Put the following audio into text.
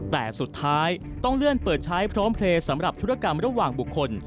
แต่สุดท้ายต้องเลื่อนเปิดใช้พร้อมเพลย์สำหรับธุรกรรมระหว่างบุคคล